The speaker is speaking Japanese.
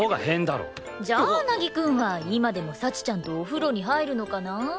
じゃあ凪くんは今でも幸ちゃんとお風呂に入るのかな？